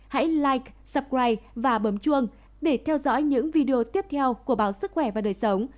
hãy live supray và bấm chuông để theo dõi những video tiếp theo của báo sức khỏe và đời sống